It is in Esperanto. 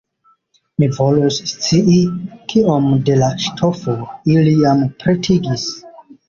Mi volus scii, kiom de la ŝtofo ili jam pretigis!